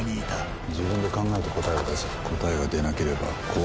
「自分で考えて答えを出せ」「答えが出なければ交番に戻れ」